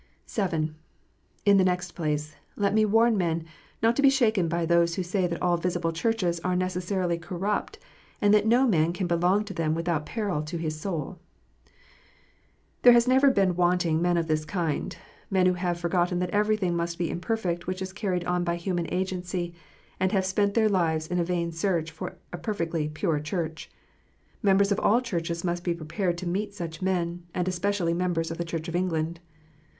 (7) In the next place, let me warn men not to be shaken by those who say that all visible Churches are necessarily corrupt, and that no man can belong to them without peril to his soul. There never have been wanting men of this kind, men who have forgotten that everything must be imperfect which is carried on by human agency, and have spent their lives in a vain search after a perfectly pure Church. Members of all Churches must be prepared to meet such men, and especially members of the Church of England.